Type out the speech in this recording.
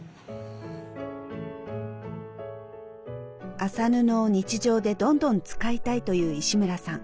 麻布を日常でどんどん使いたいという石村さん。